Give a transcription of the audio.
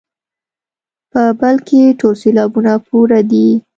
په بل کې ټول سېلابونه پوره دي.